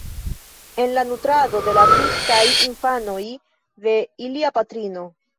en la nutrado de la brustaj infanoj de ilia patrino.